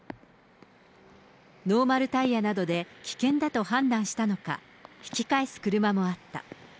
ノーマルタイヤなどで危険だと判断したのか、引き返す車もあった。